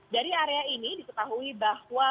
dari area ini diketahui bahwa